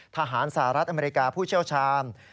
สหรัฐอเมริกาผู้เชี่ยวชาญ